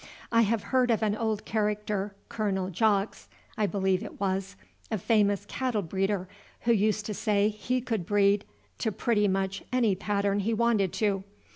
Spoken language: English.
I have heard of an old character, Colonel Jaques, I believe it was, a famous cattle breeder, who used to say he could breed to pretty much any pattern he wanted to.